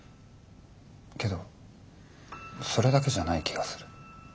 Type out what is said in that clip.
けどそれだけじゃない気がする。